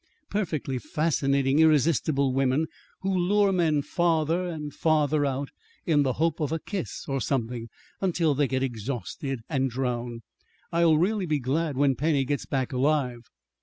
Perfectly fascinating, irresistible women, who lure men farther and farther out, in the hope of a kiss or something, until they get exhausted and drown. I'll really be glad when Penny gets back alive."